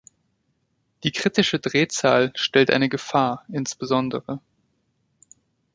Die kritische Drehzahl stellt eine Gefahr insb.